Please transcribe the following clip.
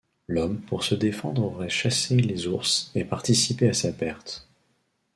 L'homme pour se défendre aurait chassé les ours et participé à sa perte.